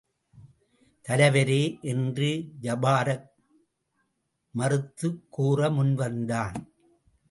தலைவரே! என்று ஜபாரக் மறுத்துக் கூற முன் வந்தான்.